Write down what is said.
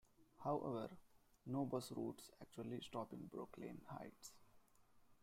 However, no bus routes actually stop in Brooklyn Heights.